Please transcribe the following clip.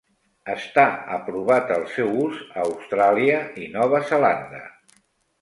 Està aprovat el seu ús a Austràlia i Nova Zelanda.